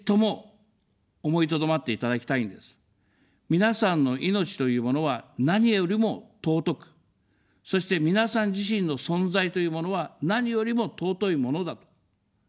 皆さんの命というものは何よりも尊く、そして皆さん自身の存在というものは、何よりも尊いものだと。